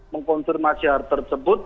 mengkonfirmasi hal tersebut